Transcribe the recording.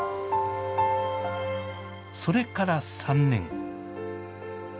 それから３年。